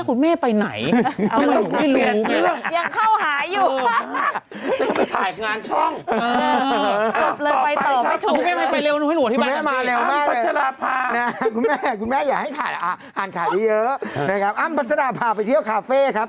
คุณแม่อยากที่ให้ฆ่าเยอะนะครับอัมปัจจาราภารไปเที่ยวคาเฟ่ครับ